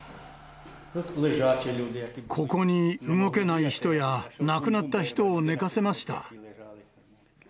ここに動けない人や亡くなった人を寝かせました。